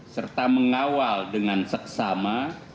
serta mengawal dengan seksama